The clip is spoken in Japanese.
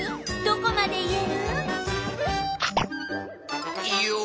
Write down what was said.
どこまで言える？